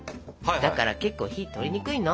だからけっこう火通りにくいの。